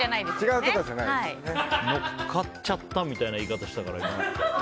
乗っかっちゃったみたいな言い方したから。